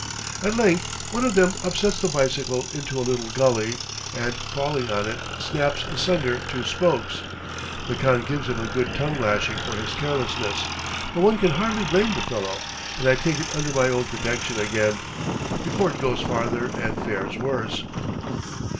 At length one of them upsets the bicycle into a little gully, and falling on it, snaps asunder two spokes. The khan gives him a good tongue lashing for his carelessness; but one can hardly blame the fellow, and I take it under my own protection again, before it goes farther and fares worse.